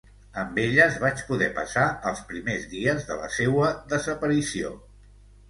Amb elles vaig poder passar els primers dies de la seua desaparició.